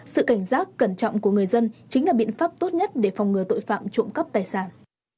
sự cảnh giác cẩn trọng của người dân chính là biện pháp tốt nhất để phòng ngừa tội phạm trộm cắp tài sản